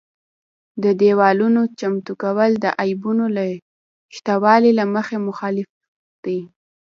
د دېوالونو چمتو کول د عیبونو له شتوالي له مخې مختلف دي.